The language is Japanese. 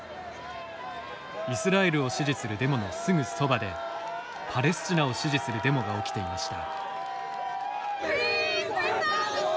イスラエルを支持するデモのすぐそばでパレスチナを支持するデモが起きていました。